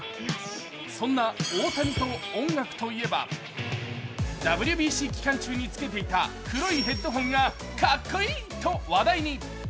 そんな大谷と音楽といえば、ＷＢＣ期間中につけていた黒いヘッドホンがかっこいいと話題に。